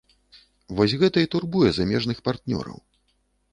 Вось гэта і турбуе замежных партнёраў.